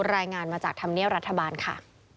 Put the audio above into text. รายงานมาจากธรรมเนียบรัฐบาลค่ะ